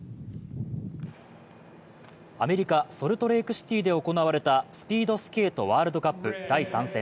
アメリカ・ソルトレークシティーで行われたスピードスケートワールドカップ第３戦。